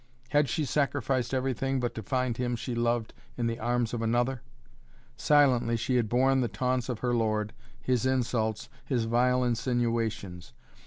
Had she sacrificed everything but to find him she loved in the arms of another? Silently she had borne the taunts of her lord, his insults, his vile insinuations.